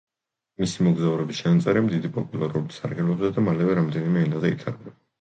მისი მოგზაურობის ჩანაწერები დიდი პოპულარობით სარგებლობდა და მალევე რამდენიმე ენაზე ითარგმნა.